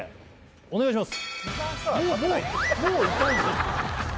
お願いします